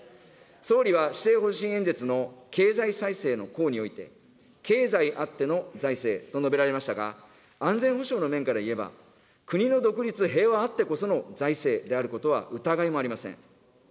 総理は施政方針演説の経済再生の項において、経済あっての財政と述べられましたが、安全保障の面から言えば、国の独立、平和あってこその財政であることは、疑いもありません。